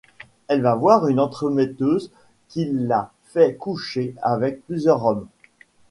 Elle va voir une entremetteuse qui la fait coucher avec plusieurs hommes.